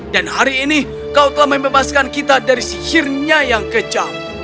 dan hari ini kau telah membebaskan kita dari sihirnya yang kejam